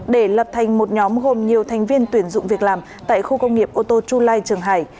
để lập thành một nhóm gồm nhiều thành viên tuyển dụng việc làm tại khu công nghiệp ô tô chu lai trường hải